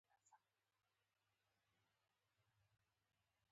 کاش چې خپله حافظه مې له لاسه ورکړم.